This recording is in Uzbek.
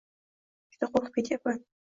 Juda qo`rqib ketyapman